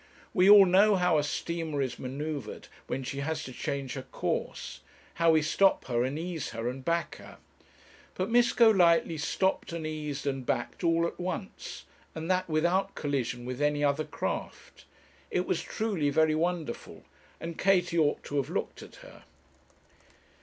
We all know how a steamer is manoeuvred when she has to change her course, how we stop her and ease her and back her; but Miss Golightly stopped and eased and backed all at once, and that without collision with any other craft. It was truly very wonderful, and Katie ought to have looked at her.